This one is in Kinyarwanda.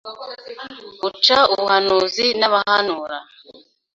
Uca ubuhanuzi n’abahanura